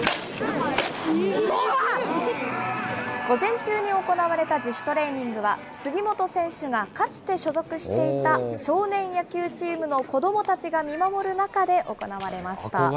午前中に行われた自主トレーニングは、杉本選手がかつて所属していた、少年野球チームの子どもたちが見守る中で行われました。